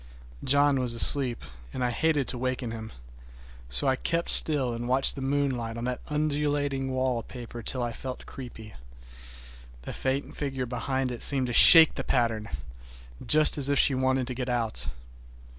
John was asleep and I hated to waken him, so I kept still and watched the moonlight on that undulating wallpaper till I felt creepy. The faint figure behind seemed to shake the pattern, just as if she wanted to get out.